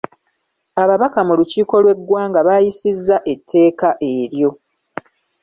Ababaka mu lukiiko lw'eggwanga baayisizza etteeka eryo.